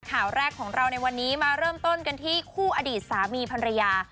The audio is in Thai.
ข่าวแรกของเราในวันนี้มาเริ่มต้นกันที่คู่อดีตสามีภรรยา